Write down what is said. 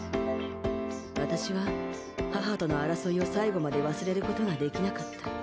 私は母との争いを最後まで忘れることができなかった。